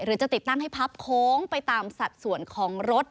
จะติดตั้งให้พับโค้งไปตามสัดส่วนของรถ